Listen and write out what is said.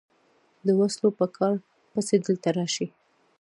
د وسلو په څار پسې دلته راشي.